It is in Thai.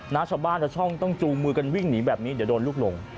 ชาวบ้านและช่องต้องจูงมือกันวิ่งหนีแบบนี้เดี๋ยวโดนลูกหลง